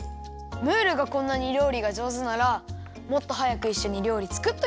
ムールがこんなにりょうりがじょうずならもっとはやくいっしょにりょうりつくっとけばよかったよ。